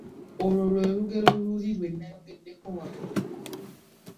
Olwo lwe lugero luli lwe nayogeddeko waggulu.